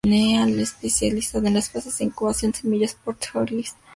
Está especializada en las fases de incubación, semilla, startup, early stage y growth stage.